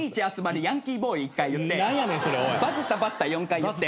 「バズったパスタ」４回言って。